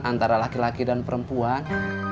antara laki laki dan perempuan